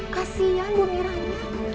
kasian bu miranya